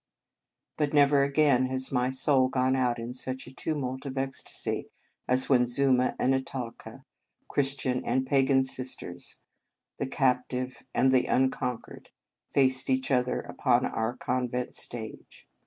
But never again has my soul gone out in such a tumult of ecstasy as when Zuma and Italca, Christian and Pagan sisters, the cap tive and the unconquered, faced each other upon our convent stage.